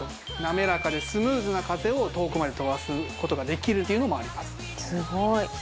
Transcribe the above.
滑らかでスムーズな風を遠くまで飛ばす事ができるっていうのもあります。